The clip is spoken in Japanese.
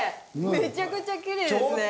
めちゃくちゃきれいですね。